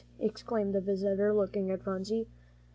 exclaimed the visitor, looking at Phronsie.